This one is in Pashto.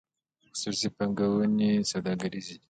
خصوصي بانکونه سوداګریز دي